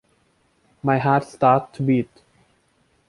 My heart started to beat.